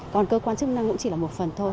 còn cơ quan chức năng cũng chỉ là một phần thôi